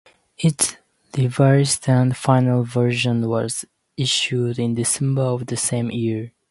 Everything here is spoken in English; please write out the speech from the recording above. Its revised and final version was issued in December of the same year.